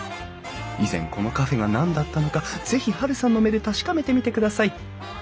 以前このカフェが何だったのかぜひハルさんの目で確かめてみてください。